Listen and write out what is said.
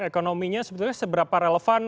ekonominya sebetulnya seberapa relevan